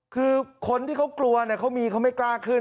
คือคนที่เขากลัวเขามีเขาไม่กล้าขึ้น